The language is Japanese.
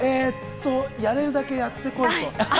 やれるだけやってこいと。